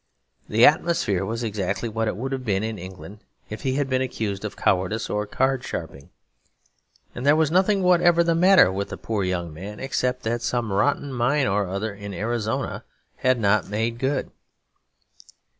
The atmosphere was exactly what it would have been in England if he had been accused of cowardice or card sharping. And there was nothing whatever the matter with the poor young man except that some rotten mine or other in Arizona had not 'made good.'